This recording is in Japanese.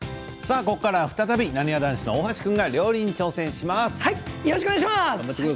ここからは再びなにわ男子の大橋君が料理に挑戦します。